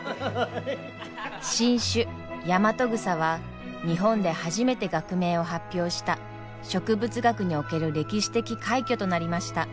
新種ヤマトグサは日本で初めて学名を発表した植物学における歴史的快挙となりました。